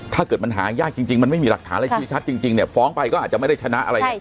ถ้าเกิดมันหายากจริงมันไม่มีหลักฐานอะไรชี้ชัดจริงเนี่ยฟ้องไปก็อาจจะไม่ได้ชนะอะไรเนี่ย